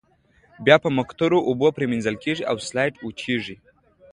بیا په مقطرو اوبو پریمنځل کیږي او سلایډ وچیږي.